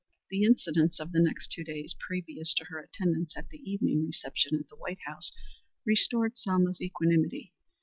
The incidents of the next two days previous to her attendance at the evening reception at the White House restored Selma's equanimity.